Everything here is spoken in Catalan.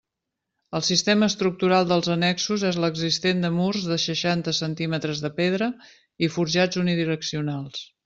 El sistema estructural dels annexos és l'existent de murs de seixanta centímetres de pedra i forjats unidireccionals.